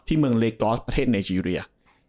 ที่เมืองเรเกาะประเทศไนเจรีย